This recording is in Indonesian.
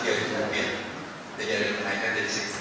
jadi ada kenaikan dari rp satu